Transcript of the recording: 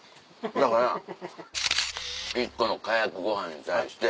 だから１個のかやくご飯に対して。